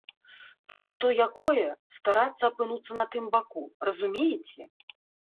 Чуць што якое, старацца апынуцца на тым баку, разумееце?